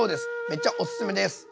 めちゃおすすめです！